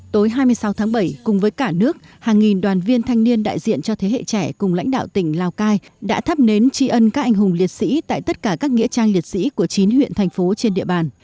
tối hai mươi sáu tháng bảy cùng với cả nước hàng nghìn đoàn viên thanh niên đại diện cho thế hệ trẻ cùng lãnh đạo tỉnh lào cai đã thắp nến tri ân các anh hùng liệt sĩ tại tất cả các nghĩa trang liệt sĩ của chín huyện thành phố trên địa bàn